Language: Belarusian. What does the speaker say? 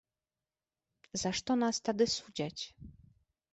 За што нас тады судзяць?